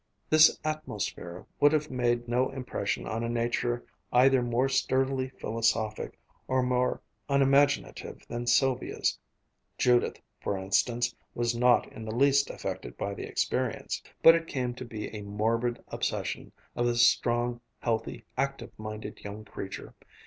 This atmosphere would have made no impression on a nature either more sturdily philosophic, or more unimaginative than Sylvia's (Judith, for instance, was not in the least affected by the experience), but it came to be a morbid obsession of this strong, healthy, active minded young creature.